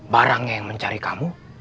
barangnya yang mencari kamu